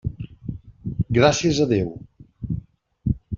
Gràcies a Déu.